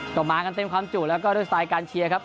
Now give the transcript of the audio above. ก็มากันเต็มความจุแล้วก็ด้วยสไตล์การเชียร์ครับ